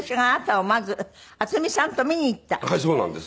はいそうなんです。